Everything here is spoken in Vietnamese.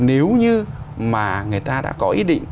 nếu như mà người ta đã có ý định